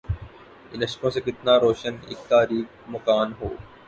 ان اشکوں سے کتنا روشن اک تاریک مکان ہو